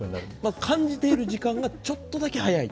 感じている時間がちょっとだけ早い。